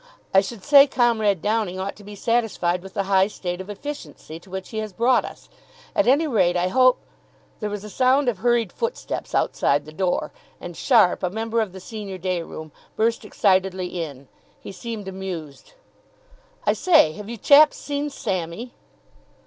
I should say Comrade Downing ought to be satisfied with the high state of efficiency to which he has brought us. At any rate I hope " There was a sound of hurried footsteps outside the door, and Sharpe, a member of the senior day room, burst excitedly in. He seemed amused. "I say, have you chaps seen Sammy?"